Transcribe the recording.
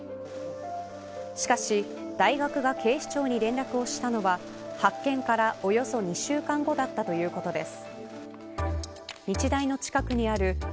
しかし、大学が警視庁に連絡をしたのは発見からおよそ２週間後だったということです。